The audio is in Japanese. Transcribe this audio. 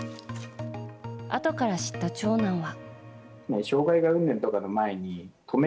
あとから知った長男は。